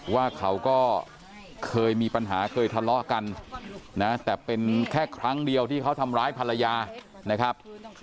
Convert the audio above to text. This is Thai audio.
ว่าเขาก็เคยมีปัญหาเคยทะเลาะกันนะแต่เป็นแค่ครั้งเดียวที่เขาทำร้ายภรรยานะครับ